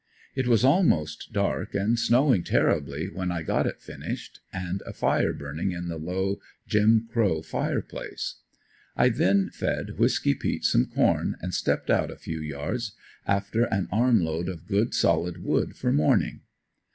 It was almost dark and snowing terribly when I got it finished and a fire burning in the low, Jim Crow fire place. I then fed Whisky peat some corn and stepped out a few yards after an armful of good solid wood for morning.